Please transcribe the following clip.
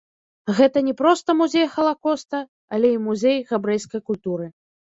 Гэта не проста музей халакоста, але і музей габрэйскай культуры.